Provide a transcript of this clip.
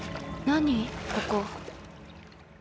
何ここ？